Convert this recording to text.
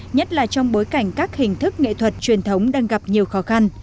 nhất là trong bối cảnh các hình thức nghệ thuật truyền thống đang gặp nhiều khó khăn